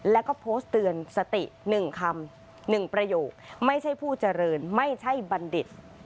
แล้วก็โพสต์เตือนสติ๑คำ๑ประโยคไม่ใช่ผู้เจริญไม่ใช่บัณฑิต